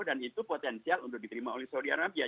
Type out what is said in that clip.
itu potensial untuk diterima oleh saudi arabia